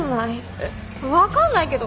分かんない。